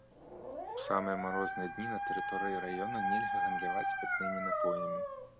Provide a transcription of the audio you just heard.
У самыя марозныя дні на тэрыторыі раёна нельга гандляваць спіртнымі напоямі.